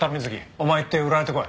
お前行って売られてこい。